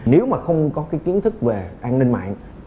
nếu mà không có cái kiến thức về an ninh mạng